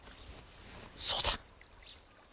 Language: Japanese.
そうだ。